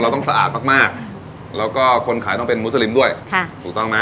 ต้องสะอาดมากมากแล้วก็คนขายต้องเป็นมุสลิมด้วยค่ะถูกต้องไหม